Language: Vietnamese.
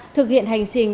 thực hiện hành trình